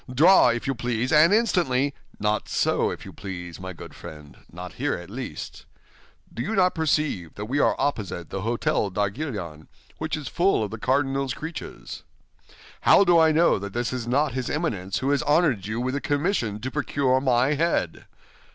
Draw, if you please, and instantly—" "Not so, if you please, my good friend—not here, at least. Do you not perceive that we are opposite the Hôtel d'Arguillon, which is full of the cardinal's creatures? How do I know that this is not his Eminence who has honored you with the commission to procure my head?